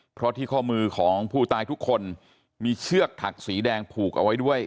เพราะที่ข้อมือของผู้ตายทุกคนมีเชือกถักสีแดงผูกเอาไว้ด้วย